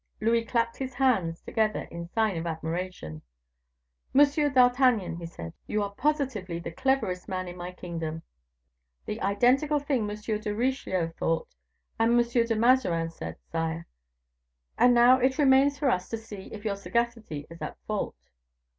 Louis clapped his hands together in sign of admiration. "Monsieur d'Artagnan," he said, "you are positively the cleverest man in my kingdom." "The identical thing M. de Richelieu thought, and M. de Mazarin said, sire." "And now, it remains for us to see if your sagacity is at fault."